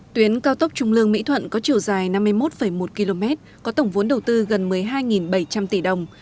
tuyến cao tốc trung lương mỹ thuận có chiều dài năm mươi một một km có tổng vốn đầu tư gần một mươi hai bảy trăm linh tỷ đồng